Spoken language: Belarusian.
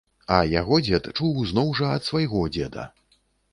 А яго дзед чуў зноў жа ад свайго дзеда.